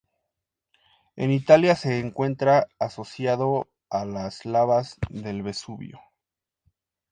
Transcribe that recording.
En Italia se encuentra asociado a las lavas del Vesubio.